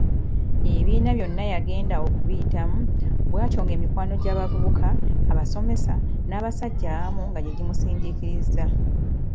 Ebibiina byonna yagenda okubiyitamu bw’atyo ng’emikwano gy’abavubuka, abasomesa, n'abasajja abamu nga gye gimusindiikiriza.